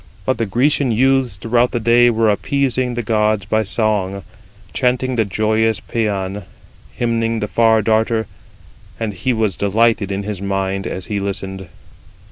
53 But the Grecian youths throughout the day were appeasing the god by song, chanting the joyous Pæan, 54 hymning the Far darter, and he was delighted in his mind as he listened.